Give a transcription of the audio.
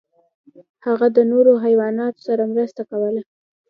هغه د نورو حیواناتو سره مرسته کوله.